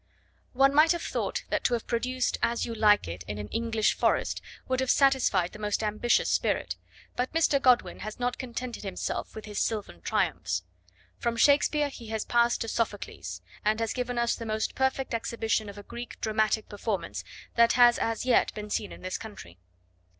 One might have thought that to have produced As You Like It in an English forest would have satisfied the most ambitious spirit; but Mr. Godwin has not contented himself with his sylvan triumphs. From Shakespeare he has passed to Sophocles, and has given us the most perfect exhibition of a Greek dramatic performance that has as yet been seen in this country.